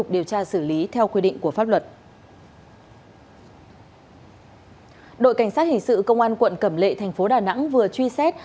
đội cảnh sát hình sự công an quận cẩm lệ tp đà nẵng vừa truy xét